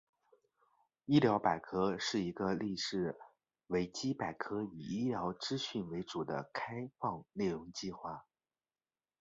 医疗百科是一个类似维基百科以医疗资讯为主的开放内容计划。